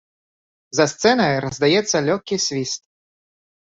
За сцэнай раздаецца лёгкі свіст.